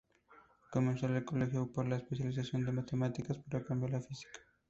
Comenzó el colegio por la especialización en matemáticas, pero cambió a la física.